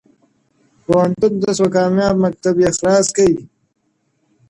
پوهنتون ته سوه کامیاب مکتب یې خلاص کئ,